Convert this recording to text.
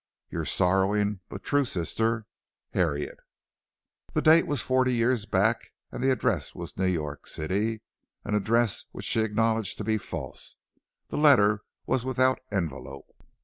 "Your sorrowing but true sister, "HARRIET." The date was forty years back, and the address was New York City an address which she acknowledged to be false. The letter was without envelope.